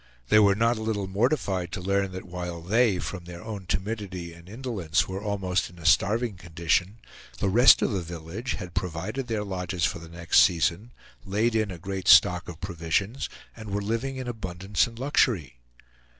They were not a little mortified to learn that while they, from their own timidity and indolence, were almost in a starving condition, the rest of the village had provided their lodges for the next season, laid in a great stock of provisions, and were living in abundance and luxury.